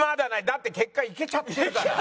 だって結果行けちゃってるから。